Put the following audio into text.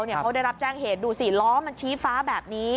เขาได้รับแจ้งเหตุดูสิล้อมันชี้ฟ้าแบบนี้